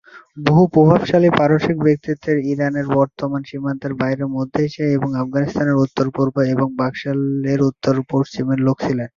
বহু প্রভাবশালী পারসিক ব্যক্তিত্ব ইরানের বর্তমান সীমান্তের বাইরে মধ্য এশিয়া এবং আফগানিস্তানের উত্তর-পূর্ব এবং ককেশাসের উত্তর-পশ্চিমের লোক ছিলেন।